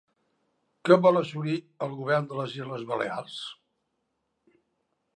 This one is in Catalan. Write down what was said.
Què vol assolir el govern de les Illes Balears?